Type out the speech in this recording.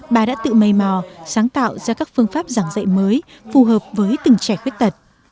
bà đã tự mây mò sáng tạo ra các phương pháp giảng dạy mới phù hợp với từng trẻ khuyết tật